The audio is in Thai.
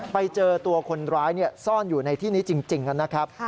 ไปเจอตัวคนร้ายซ่อนอยู่ในที่นี้จริงนะครับ